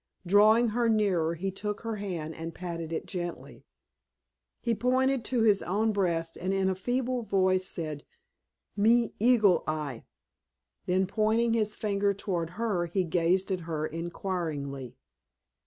Drawing her nearer he took her hand and patted it gently. He pointed to his own breast and in a feeble voice said: "Me Eagle Eye," then pointing his finger toward her he gazed at her inquiringly.